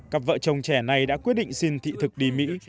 cặp vợ chồng trẻ này đã quyết định xin thị thực đi mỹ